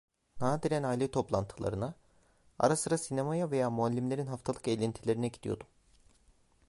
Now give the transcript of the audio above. Nadiren aile toplantılarına, ara sıra sinemaya veya muallimlerin haftalık eğlentilerine gidiyordum.